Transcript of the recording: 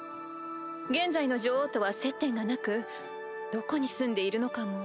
現在の女王とは接点がなくどこにすんでいるのかも。